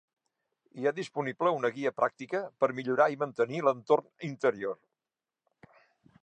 Hi ha disponible una guia pràctica per millorar i mantenir l'entorn interior.